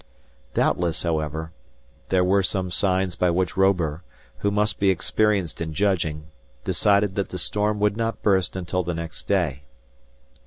Doubtless, however, there were some signs by which Robur, who must be experienced in judging, decided that the storm would not burst until the next day.